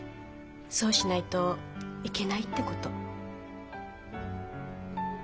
そうしないといけないってこと。